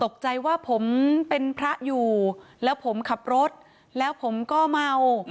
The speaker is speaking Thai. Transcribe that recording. ตกใจว่าผมเป็นพระอยู่แล้วผมขับรถแล้วผมก็เมา